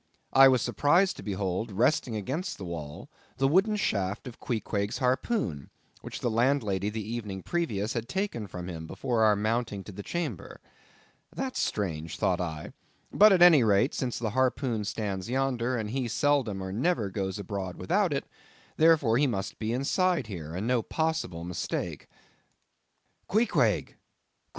I was surprised to behold resting against the wall the wooden shaft of Queequeg's harpoon, which the landlady the evening previous had taken from him, before our mounting to the chamber. That's strange, thought I; but at any rate, since the harpoon stands yonder, and he seldom or never goes abroad without it, therefore he must be inside here, and no possible mistake. "Queequeg!